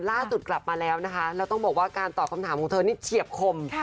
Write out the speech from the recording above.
ล่าสุดกลับมาแล้วนะคะแล้วต้องบอกว่าการตอบคำถามของเธอนี่เฉียบคม